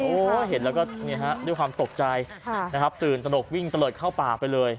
โอ้โหเห็นแล้วก็ด้วยความตกใจนะครับตื่นตนกวิ่งตะเลิศเข้าป่าไปเลย